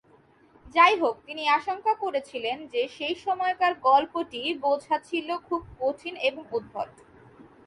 যাইহোক, তিনি আশঙ্কা করেছিলেন যে সেই সময়কার গল্পটি "বোঝা খুব কঠিন এবং উদ্ভট" ছিল।